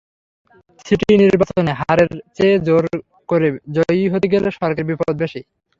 City নির্বাচনে হারের চেয়ে জোর করে জয়ী হতে গেলে সরকারের বিপদ বেশি।